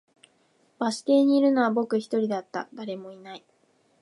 バス停にいるのは僕一人だった、誰もいない